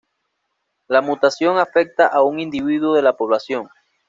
La mutación afecta a un individuo de la población.